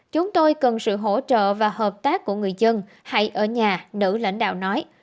chúng tôi cần sự hỗ trợ và hợp tác của người dân hay ở nhà nữ lãnh đạo nói